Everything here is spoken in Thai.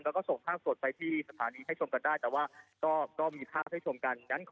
แล้วก็ส่งภาพสดไปที่สถานีให้ชมกันได้แต่ว่าก็มีภาพให้ชมกัน